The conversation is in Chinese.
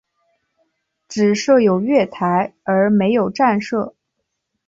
只设有月台而没有站舍。